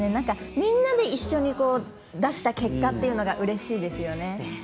みんなで出した結果というのがうれしいですね。